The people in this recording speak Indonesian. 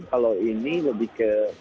kalau ini lebih ke